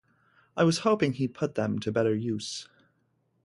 I was hoping he'd put them to better use.